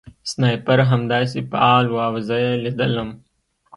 سنایپر همداسې فعال و او زه یې لیدلم